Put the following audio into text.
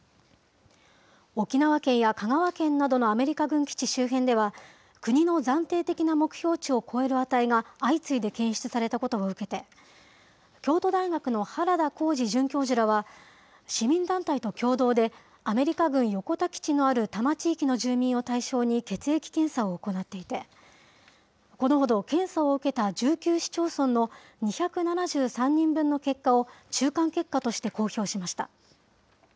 沖縄県や神奈川県などのアメリカ軍基地の周辺では、国の暫定的な目標値を超える値が相次いで検出されたことを受けて、京都大学の原田浩二准教授らは、市民団体と共同でアメリカ軍横田基地のある多摩地域の住民を対象に血液検査を行っていて、このほど検査を受けた１９市町村の２７３人分の結果を中間結果として公表しました。